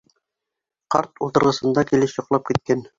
Ҡарт ултырғысында килеш йоҡлап киткән.